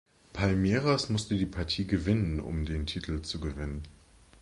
Palmeiras musste die Partie gewinnen um den Titel zu gewinnen.